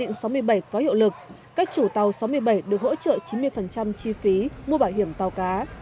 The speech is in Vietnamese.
đến năm hai nghìn một mươi bốn khi nghị định sáu mươi bảy có hiệu lực các chủ tàu sáu mươi bảy được hỗ trợ chín mươi chi phí mua bảo hiểm tàu cá